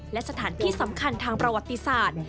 และสถานที่สำคัญทางประวัติศาสตร์